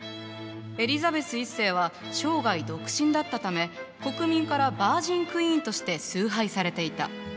エリザベス１世は生涯独身だったため国民からバージンクイーンとして崇拝されていた。